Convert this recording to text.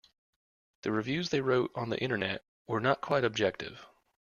The reviews they wrote on the Internet were not quite objective.